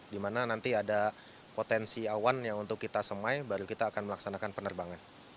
di mana nanti ada potensi awan yang untuk kita semai baru kita akan melaksanakan penerbangan